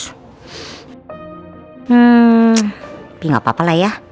tapi gapapa lah ya